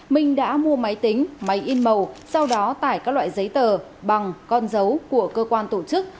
minh đã mua máy tính máy in màu sau đó tải các loại giấy tờ bằng con dấu của cơ quan tổ chức